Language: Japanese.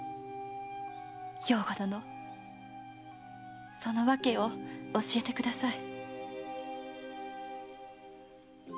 兵庫殿その訳を教えてください。